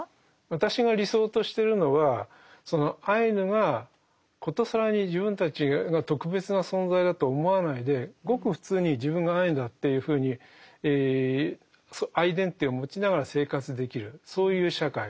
私が理想としてるのはそのアイヌが殊更に自分たちが特別な存在だと思わないでごく普通に自分がアイヌだっていうふうにアイデンティティーを持ちながら生活できるそういう社会。